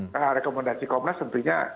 nah rekomendasi komnas tentunya